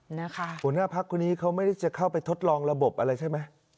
หัวหน้าพักคนนี้เขาไม่ได้จะเข้าไปทดลองระบบอะไรใช่ไหม